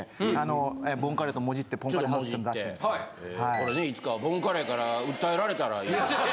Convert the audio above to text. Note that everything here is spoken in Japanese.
これねいつかはボンカレーから訴えられたら。